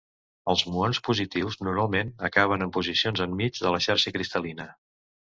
Els muons positius normalment acaben en posicions enmig de la xarxa cristal·lina.